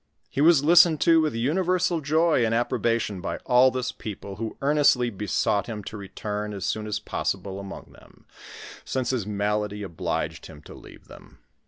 He was listened to with universal joy and approbation by all this people, who earnestly besought him to return as soon as possible among them, since his malady obliged him to leave them.